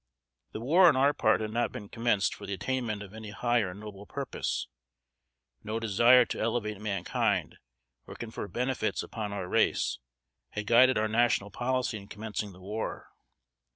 The war on our part had not been commenced for the attainment of any high or noble purpose. No desire to elevate mankind, or confer benefits upon our race, had guided our national policy in commencing the war.